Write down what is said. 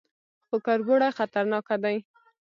_خو کربوړي خطرناکه دي.